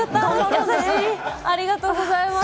優しい、ありがとうございます。